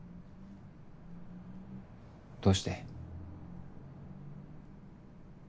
どうして？